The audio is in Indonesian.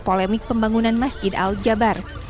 polemik pembangunan masjid aljabar